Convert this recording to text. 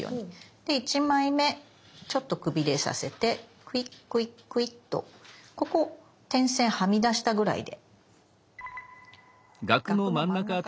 で１枚目ちょっとくびれさせてクイックイックイッとここ点線はみ出したぐらいで。